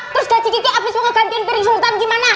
terus gaji kiki abis mau ngegantikan piring sumutan gimana